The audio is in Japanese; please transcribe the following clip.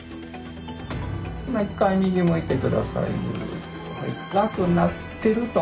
今一回右向いてください。